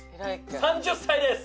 ３０歳です。